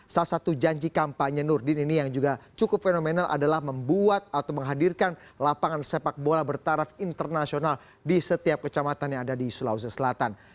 salah satu janji kampanye nurdin ini yang juga cukup fenomenal adalah membuat atau menghadirkan lapangan sepak bola bertaraf internasional di setiap kecamatan yang ada di sulawesi selatan